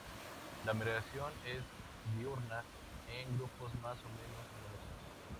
La migración es diurna, en grupos más o menos numerosos.